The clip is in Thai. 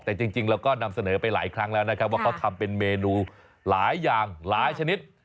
แต่จริงเราก็นำเสนอไปหลายครั้งแล้วนะครับว่าเขาทำเป็นเมนูหลายอย่างหลายชนิด